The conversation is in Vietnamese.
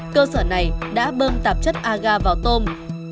cơ sở này đã bơm tạp chất aga vào tôm